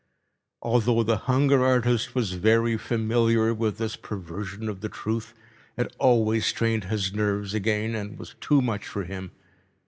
Although the hunger artist was very familiar with this perversion of the truth, it always strained his nerves again and was too much for him.